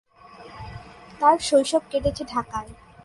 তার শৈশব কেটেছে ঢাকায়।